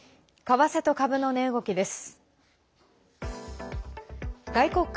為替と株の値動きです。